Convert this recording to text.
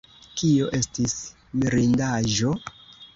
Kio estis mirindaĵo?